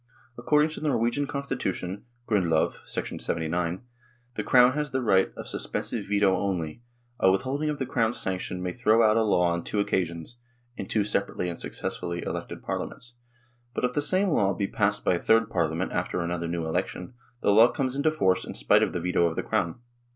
According to the Norwegian Constitution (Grundlov, 79), the Crown has the right of sus pensive veto only ; a withholding of the Crown's sanction may throw out a law on two occasions (in two separately and successively elected Parliaments), but if the same law be passed by a third Parliament after an other new election, the law comes into force in spite of the veto of the Crown.